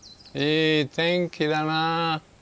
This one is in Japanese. いい天気だな。